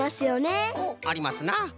おっありますな。